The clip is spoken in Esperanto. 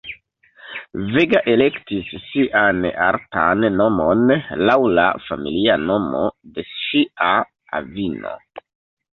Vega elektis sian artan nomon laŭ la familia nomo de ŝia avino.